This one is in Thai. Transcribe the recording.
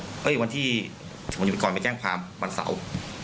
เฮ้ยวันที่ผมอยู่ก่อนไปแจ้งความวันเสาร์